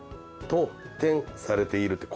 「と、されている」